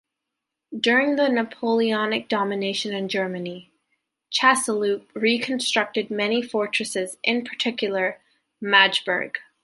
During the Napoleonic domination in Germany, Chasseloup reconstructed many fortresses, in particular Magdeburg.